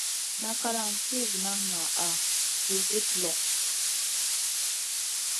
Makalan ti vunan ŋaʼa vulgit lõ.